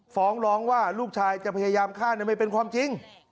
ฟ้องร้องว่าลูกชายจะพยายามฆ่าไม่เป็นความจริง